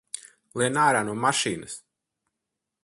Lien ārā no mašīnas!